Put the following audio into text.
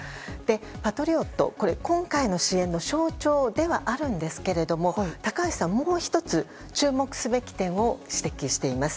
パトリオットは今回の支援の象徴ではあるんですが高橋さんは、もう１つ注目すべき点を指摘しています。